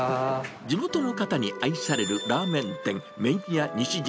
地元の方に愛されるラーメン店、麺屋西陣。